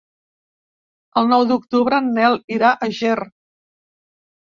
El nou d'octubre en Nel irà a Ger.